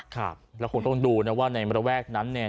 ครับแล้วคงต้องดูนะว่าในระแวกนั้นเนี่ย